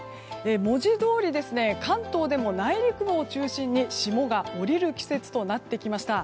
文字どおり関東でも内陸部を中心に霜が降りる季節となってきました。